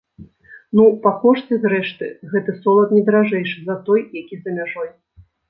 Ну, па кошце, зрэшты, гэты солад не даражэйшы за той, які за мяжой.